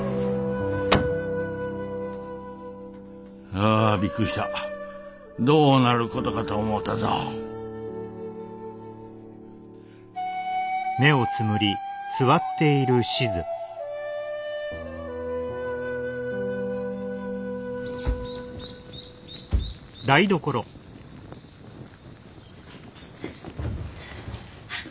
ああびっくりしたどうなることかと思うたぞあっ